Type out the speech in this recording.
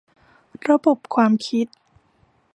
ระบบความคิด